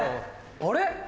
あれ？